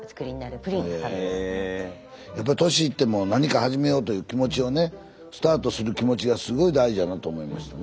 やっぱ年いっても何か始めようという気持ちをねスタートする気持ちがすごい大事やなと思いましたね。